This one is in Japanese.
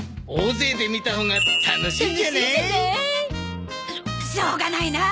大勢で見たほうが楽しいじゃない？